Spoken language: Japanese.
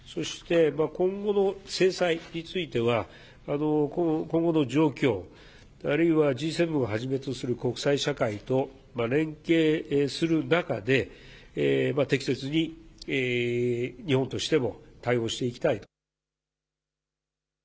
そして、今後の制裁については今後の状況あるいはＧ７をはじめとする国際社会と連携する中で適切に日本としても対応していきたいと。